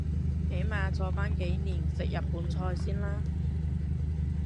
起碼坐返幾年食日本菜先啦